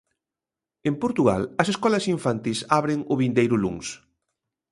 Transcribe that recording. En Portugal, as escolas infantís abren o vindeiro luns.